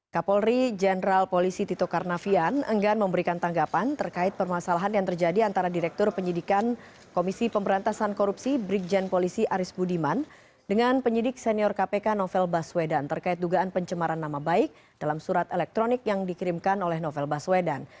kapolri jenderal polisi tito karnavian enggan memberikan tanggapan terkait permasalahan yang terjadi antara direktur penyidikan komisi pemberantasan korupsi brigjen polisi aris budiman dengan penyidik senior kpk novel baswedan terkait dugaan pencemaran nama baik dalam surat elektronik yang dikirimkan oleh novel baswedan